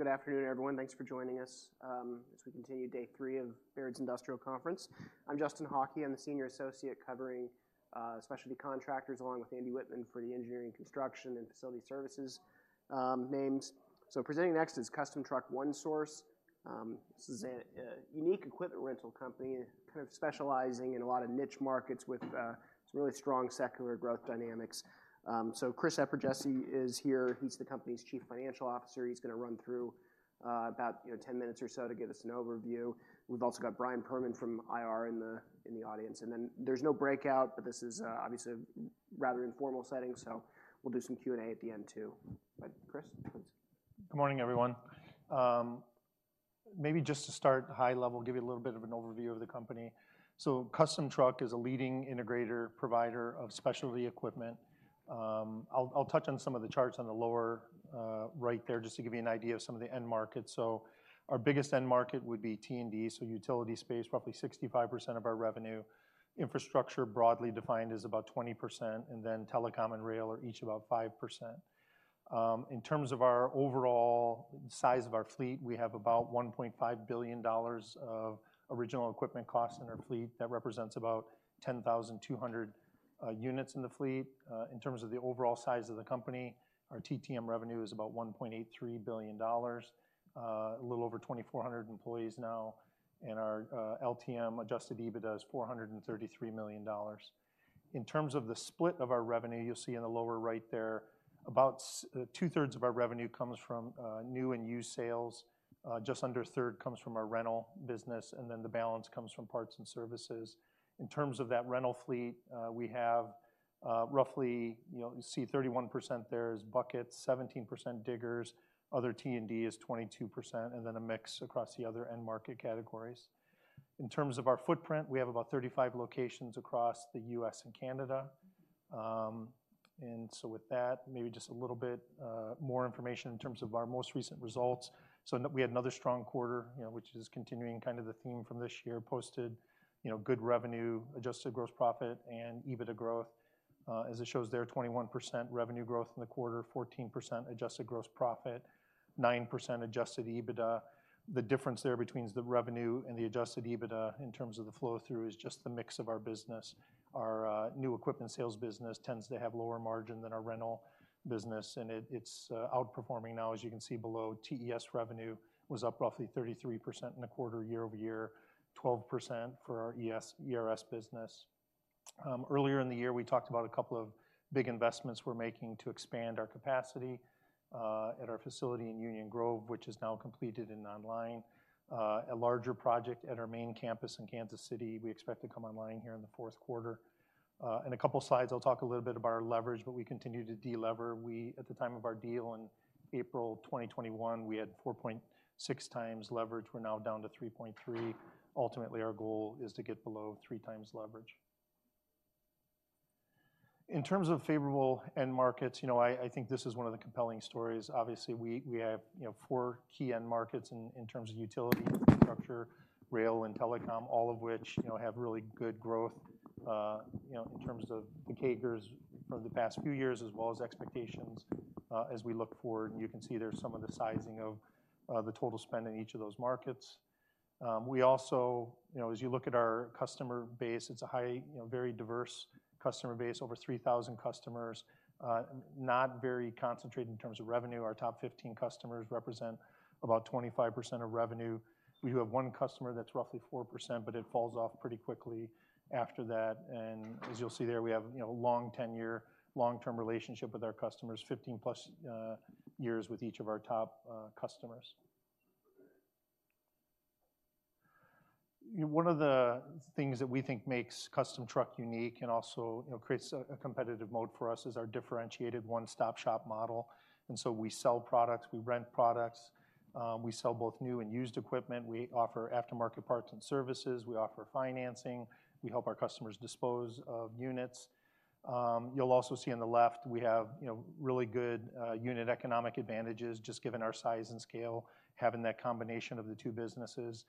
Good afternoon, everyone. Thanks for joining us as we continue day three of Baird's Industrial Conference. I'm Justin Hauke. I'm the senior associate covering specialty contractors, along with Andy Wittmann for the engineering, construction, and facility services names. So presenting next is Custom Truck One Source. This is a unique equipment rental company, kind of specializing in a lot of niche markets with some really strong secular growth dynamics. So Chris Eperjesy is here. He's the company's Chief Financial Officer. He's gonna run through about, you know, 10 minutes or so to give us an overview. We've also got Brian Perman from IR in the audience. And then there's no breakout, but this is obviously a rather informal setting, so we'll do some Q&A at the end, too. But Chris, please. Good morning, everyone. Maybe just to start high level, give you a little bit of an overview of the company. So Custom Truck is a leading integrator, provider of specialty equipment. I'll touch on some of the charts on the lower right there, just to give you an idea of some of the end markets. So our biggest end market would be T&D, so utility space, roughly 65% of our revenue. Infrastructure, broadly defined, is about 20%, and then telecom and rail are each about 5%. In terms of our overall size of our fleet, we have about $1.5 billion of original equipment cost in our fleet. That represents about 10,200 units in the fleet. In terms of the overall size of the company, our TTM revenue is about $1.83 billion, a little over 2,400 employees now, and our LTM adjusted EBITDA is $433 million. In terms of the split of our revenue, you'll see in the lower right there, about two-thirds of our revenue comes from new and used sales, just under a third comes from our rental business, and then the balance comes from parts and services. In terms of that rental fleet, we have roughly... you know, you see 31% there is buckets, 17% diggers, other T&D is 22%, and then a mix across the other end market categories. In terms of our footprint, we have about 35 locations across the US and Canada. And so with that, maybe just a little bit more information in terms of our most recent results. So we had another strong quarter, you know, which is continuing kind of the theme from this year, posted, you know, good revenue, adjusted gross profit, and EBITDA growth. As it shows there, 21% revenue growth in the quarter, 14% adjusted gross profit, 9% adjusted EBITDA. The difference there between the revenue and the adjusted EBITDA in terms of the flow-through, is just the mix of our business. Our new equipment sales business tends to have lower margin than our rental business, and it's outperforming now. As you can see below, TES revenue was up roughly 33% in the quarter, year over year, 12% for our ERS business. Earlier in the year, we talked about a couple of big investments we're making to expand our capacity at our facility in Union Grove, which is now completed and online. A larger project at our main campus in Kansas City, we expect to come online here in the fourth quarter. In a couple slides, I'll talk a little bit about our leverage, but we continue to delever. We, at the time of our deal in April 2021, we had 4.6 times leverage. We're now down to 3.3. Ultimately, our goal is to get below 3 times leverage. In terms of favorable end markets, you know, I think this is one of the compelling stories. Obviously, we have, you know, four key end markets in terms of utility, infrastructure, rail, and telecom, all of which, you know, have really good growth, you know, in terms of the CAGRs for the past few years, as well as expectations, as we look forward. You can see there's some of the sizing of the total spend in each of those markets. We also... You know, as you look at our customer base, it's a high, you know, very diverse customer base, over 3,000 customers, not very concentrated in terms of revenue. Our top 15 customers represent about 25% of revenue. We do have one customer that's roughly 4%, but it falls off pretty quickly after that, and as you'll see there, we have, you know, long tenure, long-term relationship with our customers, 15+ years with each of our top customers. One of the things that we think makes Custom Truck unique and also, you know, creates a competitive mode for us, is our differentiated one-stop-shop model. And so we sell products, we rent products, we sell both new and used equipment, we offer aftermarket parts and services, we offer financing, we help our customers dispose of units. You'll also see on the left, we have, you know, really good unit economic advantages, just given our size and scale, having that combination of the two businesses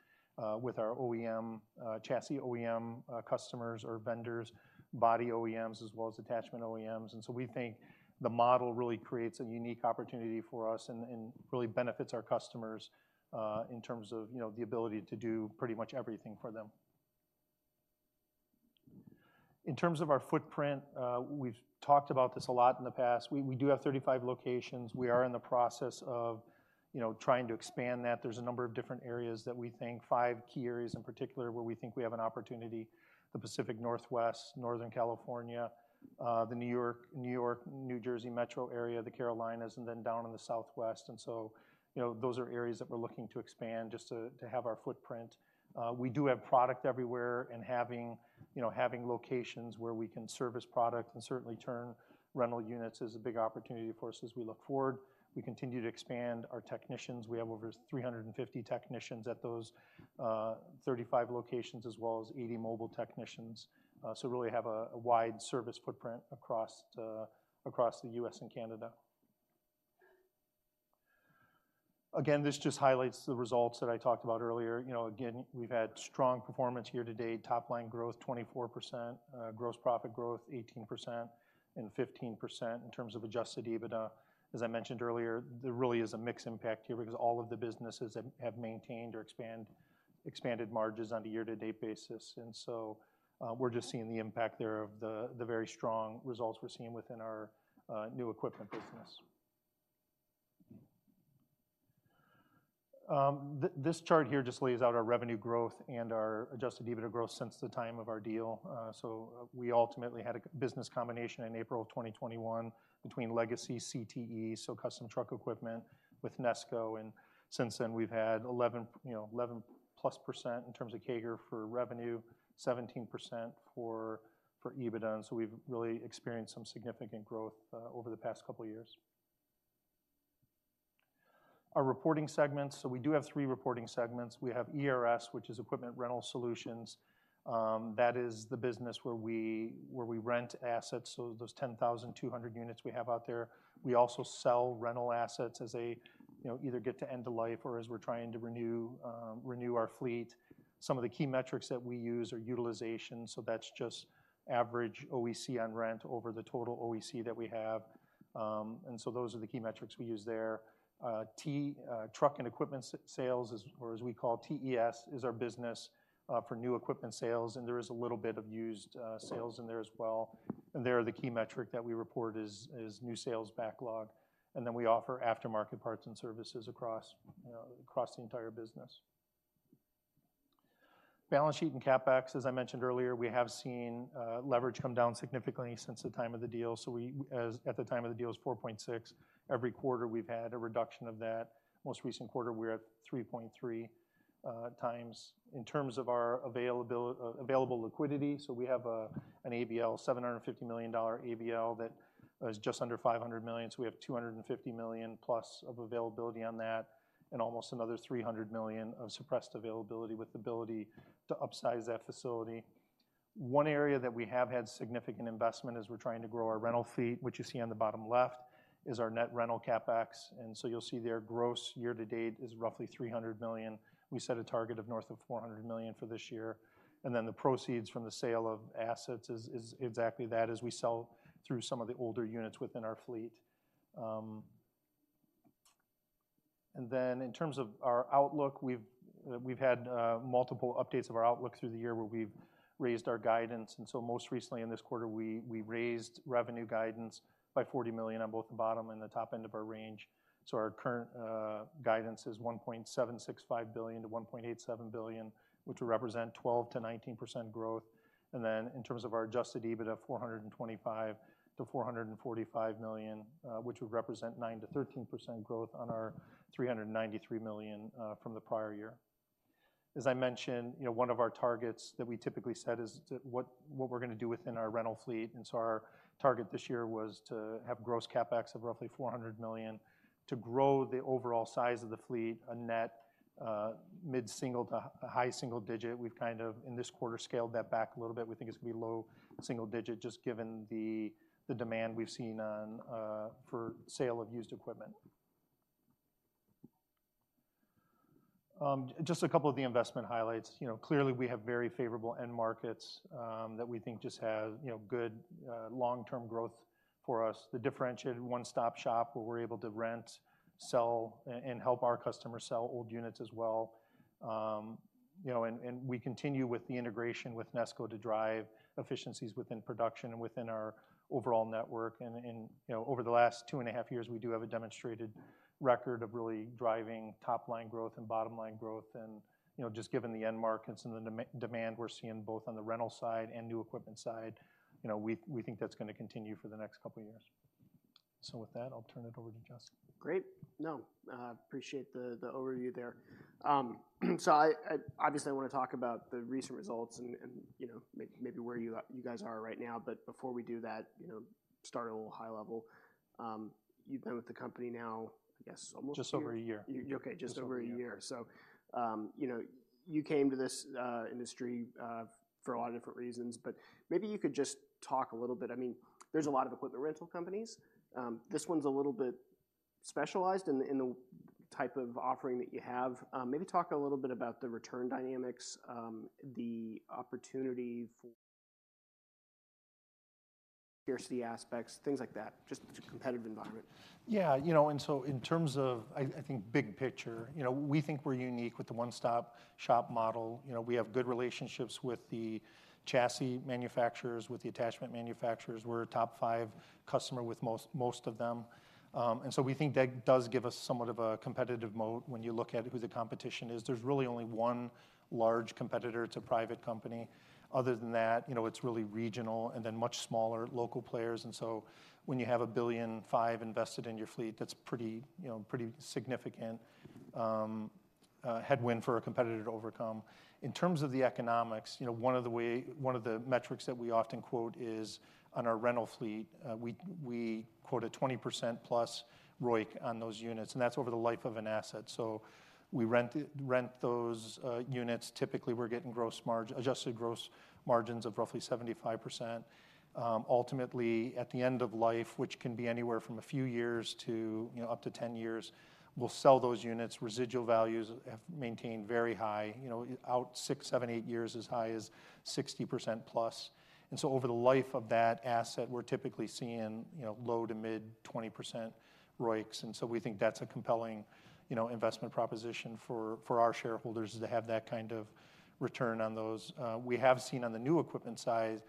with our OEM, chassis OEM customers or vendors, body OEMs, as well as attachment OEMs. We think the model really creates a unique opportunity for us and really benefits our customers in terms of, you know, the ability to do pretty much everything for them. In terms of our footprint, we've talked about this a lot in the past. We do have 35 locations. We are in the process of, you know, trying to expand that. There's a number of different areas that we think, 5 key areas in particular, where we think we have an opportunity: the Pacific Northwest, Northern California, the New York, New Jersey metro area, the Carolinas, and then down in the Southwest. And so, you know, those are areas that we're looking to expand, just to have our footprint. We do have product everywhere, and you know, having locations where we can service product and certainly turn rental units is a big opportunity for us as we look forward. We continue to expand our technicians. We have over 350 technicians at those, 35 locations, as well as 80 mobile technicians. So really have a wide service footprint across the U.S. and Canada. Again, this just highlights the results that I talked about earlier. Again, we've had strong performance year to date, top line growth, 24%, gross profit growth, 18% and 15% in terms of Adjusted EBITDA. As I mentioned earlier, there really is a mixed impact here because all of the businesses have maintained or expanded margins on a year-to-date basis. And so, we're just seeing the impact there of the very strong results we're seeing within our new equipment business. This chart here just lays out our revenue growth and our Adjusted EBITDA growth since the time of our deal. So we ultimately had a business combination in April of 2021 between legacy CTE, so Custom Truck & Equipment with Nesco, and since then we've had 11, you know, 11%+ in terms of CAGR for revenue, 17% for EBITDA. So we've really experienced some significant growth over the past couple of years. Our reporting segments. So we do have three reporting segments. We have ERS, which is Equipment Rental Solutions. That is the business where we rent assets, so those 10,200 units we have out there. We also sell rental assets as they, you know, either get to end of life or as we're trying to renew our fleet. Some of the key metrics that we use are utilization, so that's just average OEC on rent over the total OEC that we have. And so those are the key metrics we use there. Truck and Equipment Sales, or as we call TES, is our business for new equipment sales, and there is a little bit of used sales in there as well. And there, the key metric that we report is new sales backlog, and then we offer aftermarket parts and services across, you know, across the entire business. Balance sheet and CapEx, as I mentioned earlier, we have seen leverage come down significantly since the time of the deal. So, as at the time of the deal, it was 4.6. Every quarter, we've had a reduction of that. Most recent quarter, we're at 3.3 times. In terms of our available liquidity, so we have an ABL, $750 million ABL that is just under $500 million, so we have $250 million plus of availability on that, and almost another $300 million of suppressed availability, with the ability to upsize that facility. One area that we have had significant investment, as we're trying to grow our rental fleet, which you see on the bottom left, is our net rental CapEx. And so you'll see there, gross year to date is roughly $300 million. We set a target of north of $400 million for this year, and then the proceeds from the sale of assets is exactly that, as we sell through some of the older units within our fleet. And then in terms of our outlook, we've had multiple updates of our outlook through the year, where we've raised our guidance. And so most recently in this quarter we raised revenue guidance by $40 million on both the bottom and the top end of our range. So our current guidance is $1.765 billion-$1.87 billion, which would represent 12%-19% growth. And then in terms of our Adjusted EBITDA, $425 million-$445 million, which would represent 9%-13% growth on our $393 million from the prior year. As I mentioned, you know, one of our targets that we typically set is to what we're gonna do within our rental fleet, and so our target this year was to have gross CapEx of roughly $400 million, to grow the overall size of the fleet, a net mid-single to a high single digit. We've kind of, in this quarter, scaled that back a little bit. We think it's gonna be low single digit, just given the demand we've seen on for sale of used equipment. Just a couple of the investment highlights. Clearly, we have very favorable end markets that we think just have, you know, good long-term growth for us. The differentiated one-stop-shop, where we're able to rent, sell, and help our customers sell old units as well. We continue with the integration with Nesco to drive efficiencies within production and within our overall network. And you know, over the last two and a half years, we do have a demonstrated record of really driving top-line growth and bottom-line growth. You know, just given the end markets and the demand we're seeing, both on the rental side and new equipment side, you know, we think that's gonna continue for the next couple of years. So with that, I'll turn it over to Justin. Great. No, appreciate the overview there. So I obviously wanna talk about the recent results and, you know, maybe where you guys are right now. But before we do that, you know, start a little high level. You've been with the company now, I guess almost- Just over a year. Okay, just over a year. Just over a year. So, you know, you came to this industry for a lot of different reasons, but maybe you could just talk a little bit. I mean, there's a lot of equipment rental companies. This one's a little bit specialized in the type of offering that you have. Maybe talk a little bit about the return dynamics, the opportunity for scarcity aspects, things like that, just the competitive environment. Yeah, you know, and so in terms of, I think, big picture, you know, we think we're unique with the one-stop-shop model. We have good relationships with the chassis manufacturers, with the attachment manufacturers. We're a top five customer with most of them. And so we think that does give us somewhat of a competitive moat when you look at who the competition is. There's really only one large competitor. It's a private company. Other than that, you know, it's really regional, and then much smaller local players, and so when you have $1.5 billion invested in your fleet, that's pretty significant headwind for a competitor to overcome. In terms of the economics, you know, one of the metrics that we often quote is on our rental fleet, we quote a 20%+ ROIC on those units, and that's over the life of an asset. So we rent those units. Typically, we're getting gross margin-adjusted gross margins of roughly 75%. Ultimately, at the end of life, which can be anywhere from a few years to, you know, up to 10 years, we'll sell those units. Residual values have maintained very high, you know, out six, seven, eight years as high as 60%+. And so over the life of that asset, we're typically seeing, you know, low- to mid-20% ROICs, and so we think that's a compelling, you know, investment proposition for our shareholders, is to have that kind of return on those. We have seen on the new equipment side,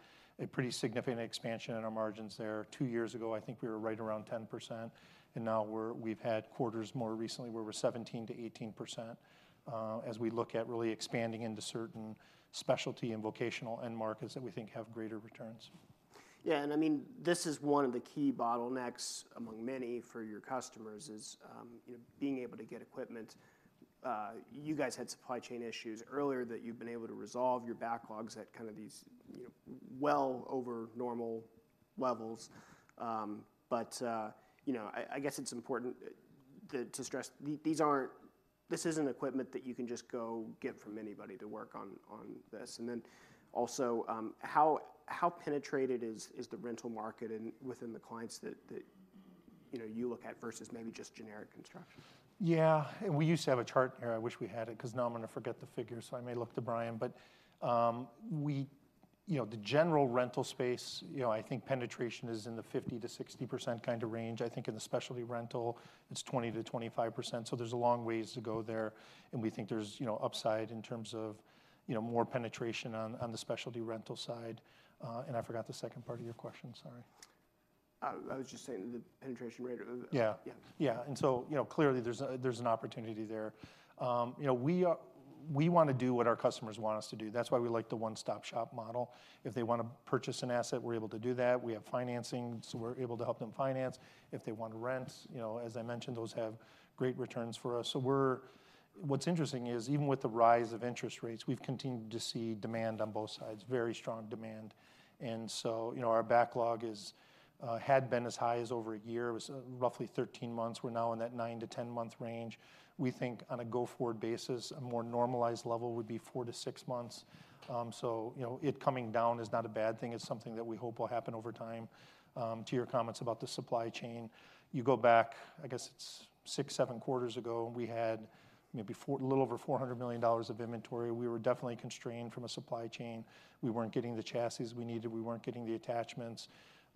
a pretty significant expansion in our margins there. Two years ago, I think we were right around 10%, and now we've had quarters more recently where we're 17%-18%, as we look at really expanding into certain specialty and vocational end markets that we think have greater returns. Yeah, and I mean, this is one of the key bottlenecks among many for your customers, is, you know, being able to get equipment. You guys had supply chain issues earlier that you've been able to resolve, your backlogs at kind of these, you know, well over normal levels. But, you know, I guess it's important, that to stress these aren't, this isn't equipment that you can just go get from anybody to work on this. And then also, how penetrated is the rental market in within the clients that you know you look at versus maybe just generic construction? Yeah. We used to have a chart here. I wish we had it, 'cause now I'm gonna forget the figures, so I may look to Brian. But, you know, the general rental space, you know, I think penetration is in the 50%-60% kind of range. I think in the specialty rental, it's 20%-25%, so there's a long ways to go there, and we think there's, you know, upside in terms of, you know, more penetration on the specialty rental side. And I forgot the second part of your question. Sorry. I was just saying the penetration rate. Yeah. Yeah. Yeah. And so, you know, clearly there's an opportunity there. You know, we wanna do what our customers want us to do. That's why we like the one-stop-shop model. If they wanna purchase an asset, we're able to do that. We have financing, so we're able to help them finance. If they want to rent, you know, as I mentioned, those have great returns for us. So we're... What's interesting is, even with the rise of interest rates, we've continued to see demand on both sides, very strong demand. And so, you know, our backlog is had been as high as over a year. It was roughly 13 months. We're now in that 9-10-month range. We think on a go-forward basis, a more normalized level would be 4-6 months. So you know, it coming down is not a bad thing. It's something that we hope will happen over time. To your comments about the supply chain, you go back, I guess it's six, seven quarters ago, and we had maybe a little over $400 million of inventory. We were definitely constrained from a supply chain. We weren't getting the chassis we needed. We weren't getting the attachments.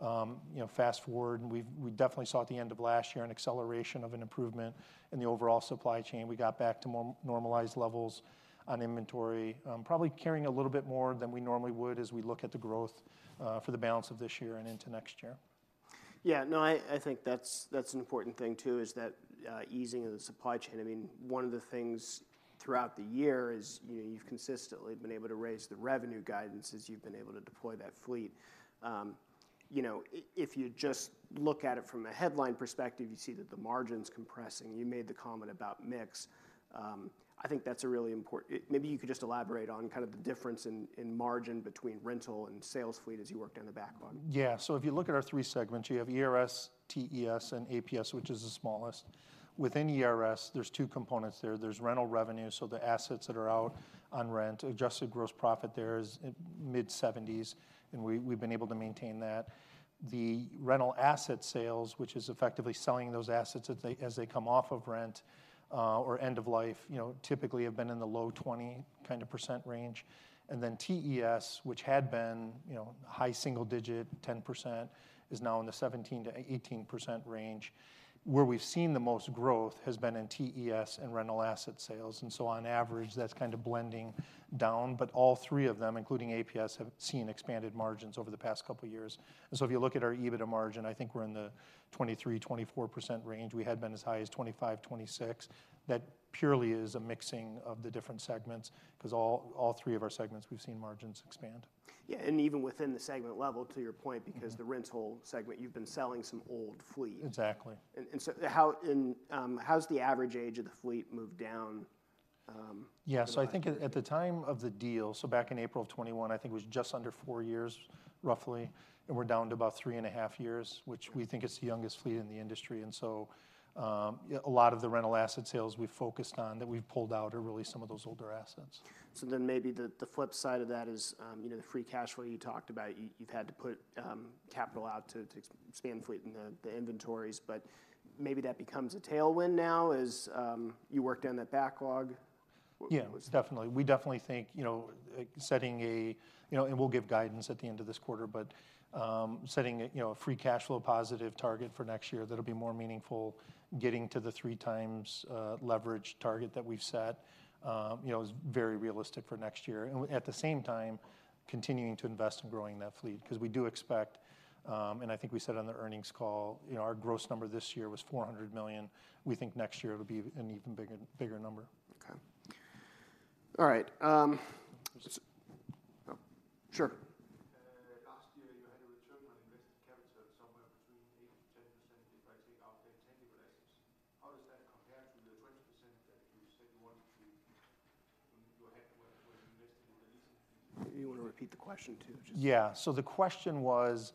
You know, fast-forward, and we definitely saw at the end of last year an acceleration of an improvement in the overall supply chain. We got back to normalized levels on inventory, probably carrying a little bit more than we normally would as we look at the growth for the balance of this year and into next year. Yeah, no, I think that's an important thing, too, is that easing of the supply chain. I mean, one of the things throughout the year is, you know, you've consistently been able to raise the revenue guidance as you've been able to deploy that fleet. You know, if you just look at it from a headline perspective, you see that the margin's compressing. You made the comment about mix. I think that's a really important... Maybe you could just elaborate on kind of the difference in margin between rental and sales fleet as you work down the backlog. Yeah. So if you look at our three segments, you have ERS, TES, and APS, which is the smallest. Within ERS, there's two components there. There's rental revenue, so the assets that are out on rent. Adjusted gross profit there is mid-70s%, and we've been able to maintain that. The rental asset sales, which is effectively selling those assets as they come off of rent or end of life, you know, typically have been in the low-20% range. And then TES, which had been, you know, high single digit 10%, is now in the 17%-18% range. Where we've seen the most growth has been in TES and rental asset sales, and so on average, that's kind of blending down. But all three of them, including APS, have seen expanded margins over the past couple of years. And so if you look at our EBITDA margin, I think we're in the 23%-24% range. We had been as high as 25-26. That purely is a mixing of the different segments, 'cause all three of our segments, we've seen margins expand. Yeah, and even within the segment level, to your point because the rental segment, you've been selling some old fleet.. Exactly. How's the average age of the fleet moved down? Yeah. I think at the time of the deal, so back in April of 2021, I think it was just under four years, roughly, and we're down to about 3.5 years, which we think is the youngest fleet in the industry. And so, a lot of the rental asset sales we've focused on, that we've pulled out, are really some of those older assets. So then maybe the flip side of that is, you know, the free cash flow you talked about, you've had to put capital out to expand fleet and the inventories, but maybe that becomes a tailwind now as you work down that backlog. Yeah, definitely. We definitely think, you know, setting a... You know, and we'll give guidance at the end of this quarter, but, setting a, you know, a free cash flow positive target for next year, that'll be more meaningful. Getting to the 3x leverage target that we've set, you know, is very realistic for next year. And at the same time, continuing to invest in growing that fleet, 'cause we do expect, and I think we said on the earnings call, you know, our gross number this year was $400 million. We think next year it'll be an even bigger number. Okay. All right. Oh, sure. Last year, you had a return on invested capital somewhere between 8%-10%, if I take out the intangible assets. How does that compare to the 20% that you- You want to repeat the question, too, just- Yeah. So the question was,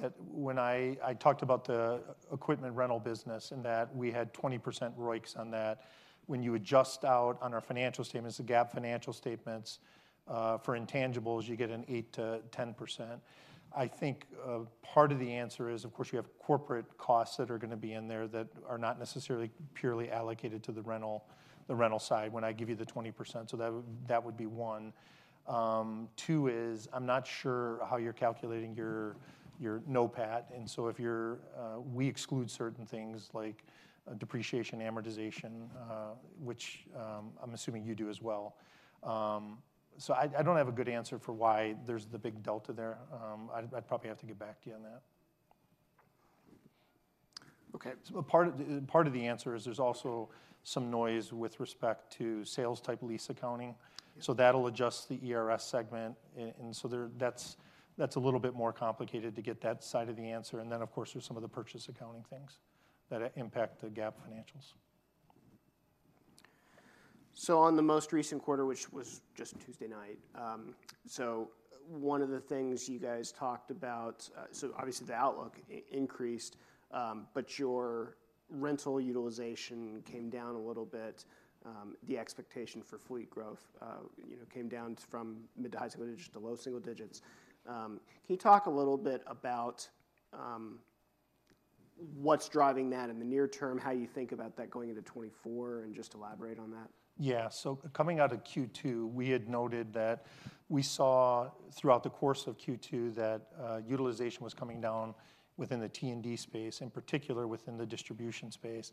that when I talked about the equipment rental business, and that we had 20% ROICs on that, when you adjust out on our financial statements, the GAAP financial statements, for intangibles, you get an 8%-10%. I think, part of the answer is, of course, you have corporate costs that are gonna be in there that are not necessarily purely allocated to the rental, the rental side, when I give you the 20%, so that would, that would be one. Two is, I'm not sure how you're calculating your NOPAT, and so if you're... We exclude certain things like, depreciation and amortization, which, I'm assuming you do as well. So I don't have a good answer for why there's the big delta there. I'd probably have to get back to you on that. Okay. A part of the answer is there's also some noise with respect to sales-type lease accounting. Yeah. So that'll adjust the ERS segment, and so there, that's a little bit more complicated to get that side of the answer, and then, of course, there's some of the purchase accounting things that impact the GAAP financials. So on the most recent quarter, which was just Tuesday night, so one of the things you guys talked about, so obviously, the outlook increased, but your rental utilization came down a little bit. The expectation for fleet growth, you know, came down from mid to high single digits to low single digits. Can you talk a little bit about what's driving that in the near term, how you think about that going into 2024, and just elaborate on that? Yeah. So coming out of Q2, we had noted that we saw, throughout the course of Q2, that, utilization was coming down within the T&D space, in particular within the distribution space.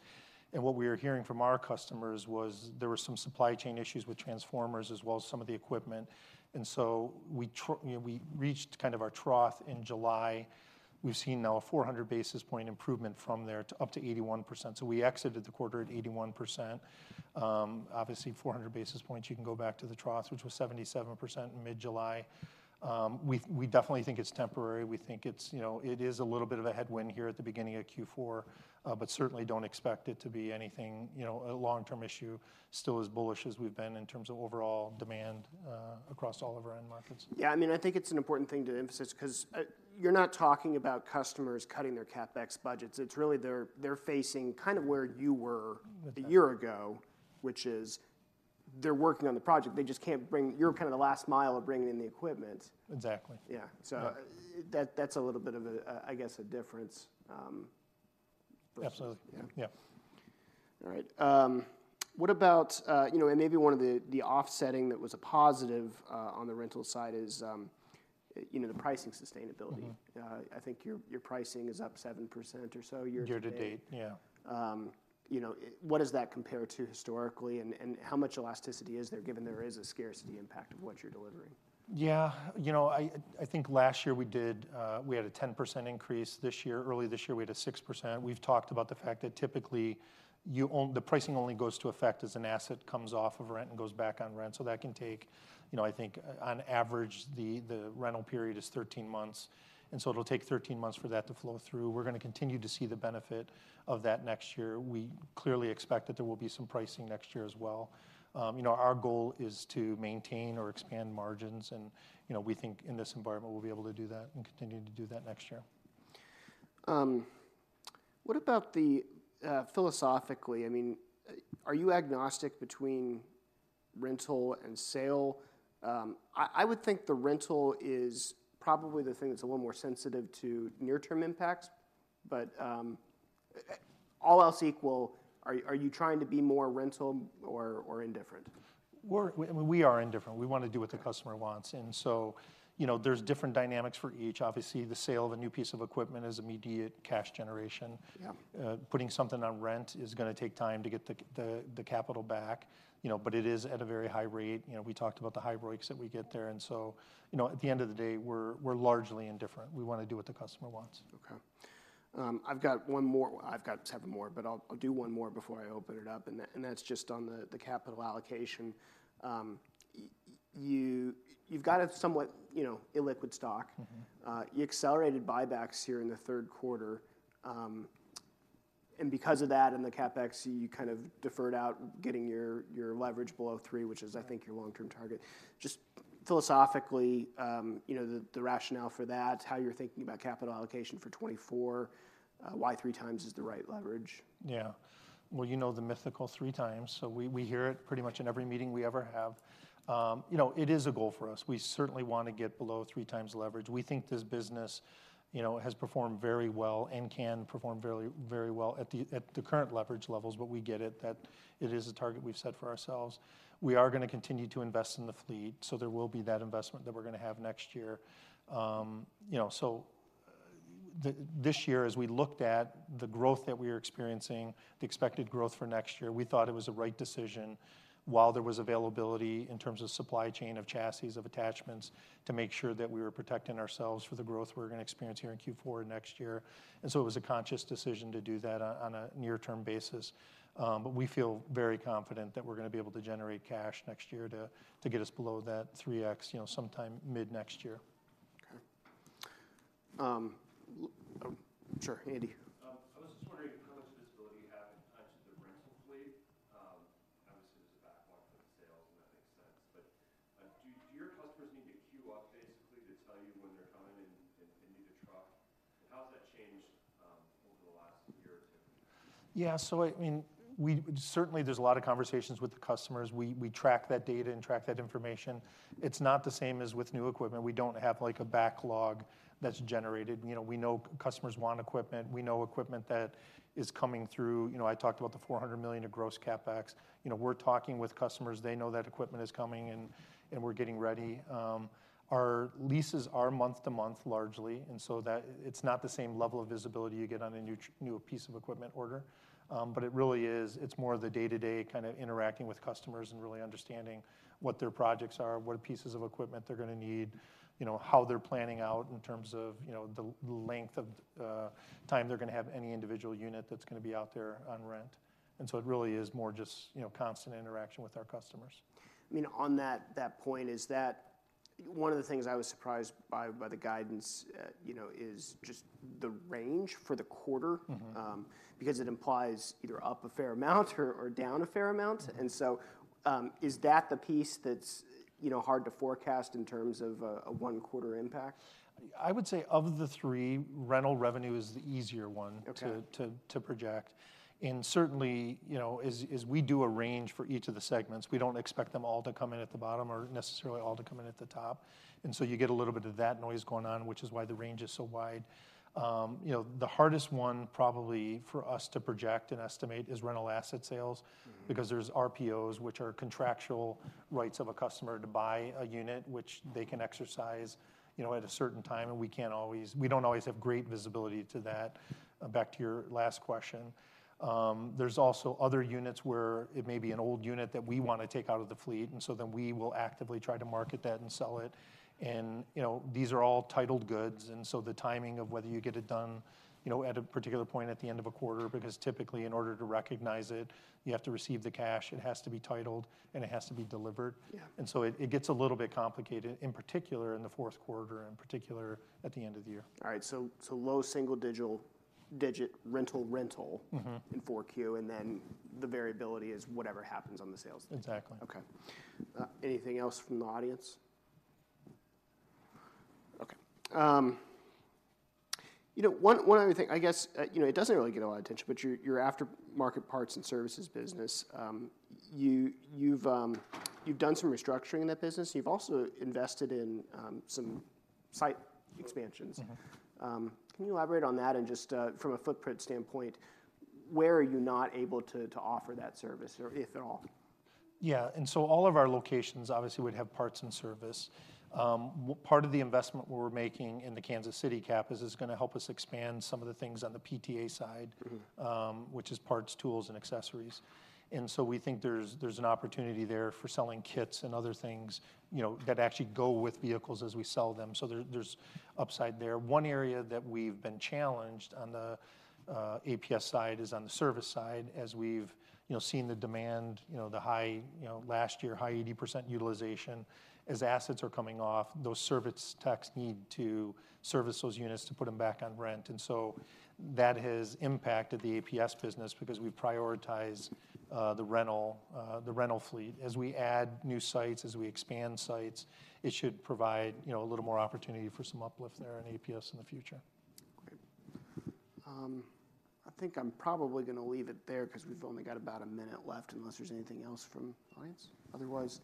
And what we were hearing from our customers was there were some supply chain issues with transformers, as well as some of the equipment, and so you know, we reached kind of our trough in July. We've seen now a 400 basis point improvement from there to up to 81%, so we exited the quarter at 81%. Obviously, 400 basis points, you can go back to the trough, which was 77% in mid-July. We definitely think it's temporary. We think it's, you know, it is a little bit of a headwind here at the beginning of Q4, but certainly don't expect it to be anything, you know, a long-term issue. Still as bullish as we've been in terms of overall demand, across all of our end markets. Yeah, I mean, I think it's an important thing to emphasize, 'cause you're not talking about customers cutting their CapEx budgets, it's really they're facing kind of where you were a year ago, which is they're working on the project. They just can't bring... You're kind of the last mile of bringing in the equipment. Exactly. Yeah. Yeah. So, that's a little bit of a, I guess, a difference, versus- Absolutely. Yeah. Yeah. All right, what about, you know, and maybe one of the offsetting that was a positive on the rental side is, you know, the pricing sustainability. Mm-hmm. I think your pricing is up 7% or so year to date. Year to date, yeah. What does that compare to historically, and how much elasticity is there, given there is a scarcity impact of what you're delivering? Yeah. You know, I think last year we did, we had a 10% increase. This year, early this year, we had a 6%. We've talked about the fact that typically, the pricing only goes to effect as an asset comes off of rent and goes back on rent. So that can take, you know, I think, on average the rental period is 13 months, and so it'll take 13 months for that to flow through. We're gonna continue to see the benefit of that next year. We clearly expect that there will be some pricing next year as well. Our goal is to maintain or expand margins, and, you know, we think in this environment, we'll be able to do that and continue to do that next year. What about the, philosophically, I mean, are you agnostic between rental and sale? I would think the rental is probably the thing that's a little more sensitive to near-term impacts, but, all else equal, are you trying to be more rental or indifferent? I mean, we are indifferent. We wanna do what the customer wants. Okay. And so, you know, there's different dynamics for each. Obviously, the sale of a new piece of equipment is immediate cash generation. Yeah. Putting something on rent is gonna take time to get the capital back, you know, but it is at a very high rate. You know, we talked about the high ROICs that we get there, and so, you know, at the end of the day, we're largely indifferent. We wanna do what the customer wants. Okay. I've got one more. Well, I've got seven more, but I'll do one more before I open it up, and that's just on the capital allocation. You've got a somewhat, you know, illiquid stock. Mm-hmm. You accelerated buybacks here in the third quarter, and because of that and the CapEx, you kind of deferred out getting your, your leverage below three, which is, I think your long-term target. Just philosophically, you know, the rationale for that, how you're thinking about capital allocation for 2024, why three times is the right leverage? Yeah. Well, you know the mythical 3x, so we hear it pretty much in every meeting we ever have. You know, it is a goal for us. We certainly wanna get below 3x leverage. We think this business, you know, has performed very well and can perform very, very well at the current leverage levels. But we get it, that it is a target we've set for ourselves. We are gonna continue to invest in the fleet, so there will be that investment that we're gonna have next year. This year, as we looked at the growth that we are experiencing, the expected growth for next year, we thought it was the right decision while there was availability in terms of supply chain, of chassis, of attachments, to make sure that we were protecting ourselves for the growth we're gonna experience here in Q4 next year, and so it was a conscious decision to do that on a near-term basis. But we feel very confident that we're gonna be able to generate cash next year to get us below that 3x, you know, sometime mid-next year. Okay. Sure, Andy. I was just wondering, basically, obviously there's a backlog for the sales, and that makes sense. But, do your customers need to queue up basically to tell you when they're coming in, and need a truck? And how has that changed, over the last year or two? Yeah, so I mean, we, certainly there's a lot of conversations with the customers. We, we track that data and track that information. It's not the same as with new equipment. We don't have, like, a backlog that's generated. We know customers want equipment. We know equipment that is coming through. You know, I talked about the $400 million of gross CapEx. You know, we're talking with customers. They know that equipment is coming, and we're getting ready. Our leases are month to month, largely, and so that. It's not the same level of visibility you get on a new new piece of equipment order. But it really is, it's more of the day-to-day kind of interacting with customers and really understanding what their projects are, what pieces of equipment they're gonna need, you know, how they're planning out in terms of, you know, the length of time they're gonna have any individual unit that's gonna be out there on rent. And so it really is more just, you know, constant interaction with our customers. I mean, on that point, is that, one of the things I was surprised by the guidance, you know, is just the range for the quarter. Mm-hmm. Because it implies either up a fair amount or down a fair amount. Mm-hmm. Is that the piece that's, you know, hard to forecast in terms of a one-quarter impact? I would say of the three, rental revenue is the easier one to project. Certainly, you know, as we do a range for each of the segments, we don't expect them all to come in at the bottom or necessarily all to come in at the top, and so you get a little bit of that noise going on, which is why the range is so wide. The hardest one probably for us to project and estimate is rental asset sales, because there's RPOs, which are contractual rights of a customer to buy a unit, which they can exercise, you know, at a certain time, and we can't always, we don't always have great visibility to that. Back to your last question, there's also other units where it may be an old unit that we wanna take out of the fleet, and so then we will actively try to market that and sell it. And, you know, these are all titled goods, and so the timing of whether you get it done, you know, at a particular point at the end of a quarter, because typically, in order to recognize it, you have to receive the cash, it has to be titled, and it has to be delivered. Yeah. And so it, it gets a little bit complicated, in particular, in the fourth quarter, in particular, at the end of the year. All right. So low single-digit rental in 4Q, and then the variability is whatever happens on the sales then? Exactly. Okay. Anything else from the audience? Okay. You know, one other thing, I guess, you know, it doesn't really get a lot of attention, but your aftermarket parts and services business. You've done some restructuring in that business. You've also invested in some site expansions. Mm-hmm. Can you elaborate on that? And just, from a footprint standpoint, where are you not able to offer that service or if at all? Yeah. And so all of our locations obviously would have parts and service. Part of the investment we're making in the Kansas City campus is gonna help us expand some of the things on the PTA sidewhich is parts, tools, and accessories. And so we think there's an opportunity there for selling kits and other things, you know, that actually go with vehicles as we sell them, so there's upside there. One area that we've been challenged on the APS side is on the service side, as we've, you know, seen the demand, you know, the high, you know, last year, high 80% utilization. As assets are coming off, those service techs need to service those units to put them back on rent, and so that has impacted the APS business because we prioritize the rental fleet. As we add new sites, as we expand sites, it should provide, you know, a little more opportunity for some uplift there in APS in the future. Great. I think I'm probably gonna leave it there 'cause we've only got about a minute left, unless there's anything else from the audience. Otherwise,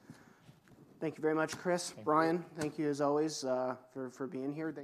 thank you very much, Chris. Thank you. Brian, thank you as always, for being here. Thank you.